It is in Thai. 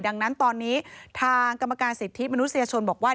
ดังนั้นตอนนี้ทางกรรมการสิทธิมนุษยชนบอกว่า